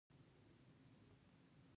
علي وزير د خپلي کورنۍ اتلس غړي شهيدان ورکړي.